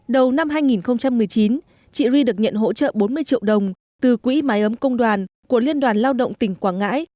đầu năm hai nghìn một mươi chín chị ri được nhận hỗ trợ bốn mươi triệu đồng từ quỹ máy ấm công đoàn của liên đoàn lao động tỉnh quảng ngãi